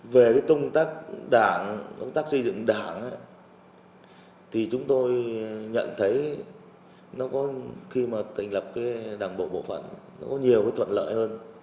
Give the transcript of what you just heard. về công tác xây dựng đảng chúng tôi nhận thấy khi tỉnh lập đảng bộ bộ phận có nhiều thuận lợi hơn